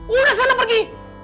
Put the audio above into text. udah sana pergi